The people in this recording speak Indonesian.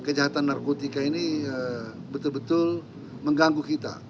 kejahatan narkotika ini betul betul mengganggu kita